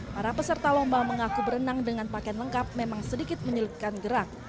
para peserta lomba mengaku berenang dengan pakaian lengkap memang sedikit menyulitkan gerak